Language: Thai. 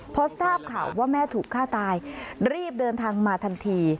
พอทราบข่าวว่าแม่ถูกฆ่าตายรีบเดินทางมาทันที